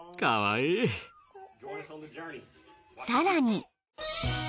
［さらに］